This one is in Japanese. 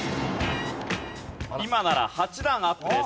今なら８段アップです。